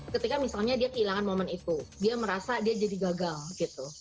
ketika misalnya dia kehilangan momen itu dia merasa dia jadi gagal gitu